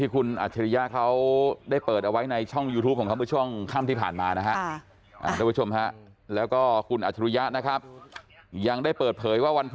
ฆาตกรรมมันไม่ได้ฆาตกรรมกันง่ายนะ